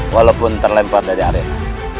walaupun terlempar dari arena